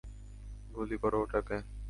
গুলি করো ওটাকে!